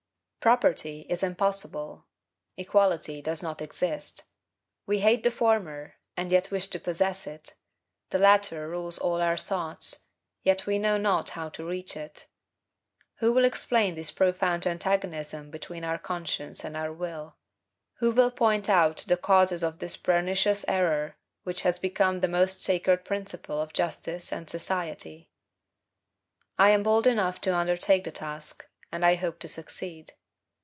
Property is impossible; equality does not exist. We hate the former, and yet wish to possess it; the latter rules all our thoughts, yet we know not how to reach it. Who will explain this profound antagonism between our conscience and our will? Who will point out the causes of this pernicious error, which has become the most sacred principle of justice and society? I am bold enough to undertake the task, and I hope to succeed.